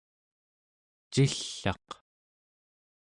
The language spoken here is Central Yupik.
cill'aq